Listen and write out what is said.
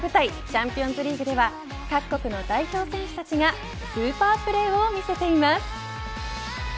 チャンピオンズリーグでは各国の代表選手たちがスーパープレーを見せています。